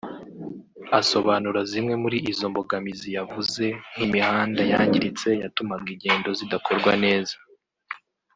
Asobanura zimwe muri izo mbogamizi yavuze nk’imihanda yangiritse yatumaga ingendo zidakorwa neza